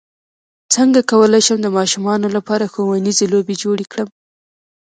څنګه کولی شم د ماشومانو لپاره ښوونیزې لوبې جوړې کړم